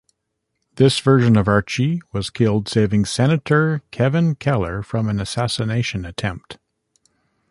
This version of Archie was killed saving Senator Kevin Keller from an assassination attempt.